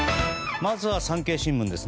まずは産経新聞です。